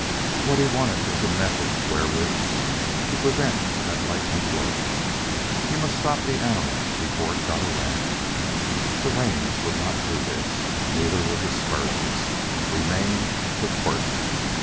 What was wanted was a method wherewith to prevent that lightning whirl. He must stop the animal before it got around. The reins would not do this. Neither would the spurs. Remained the quirt.